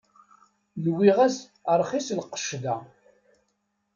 Nwiɣ-as rxis lqecc da.